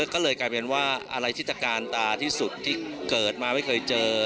ก็เลยกลายเป็นว่าอะไรที่ตะกาลตาที่สุดที่เกิดมาไม่เคยเจอ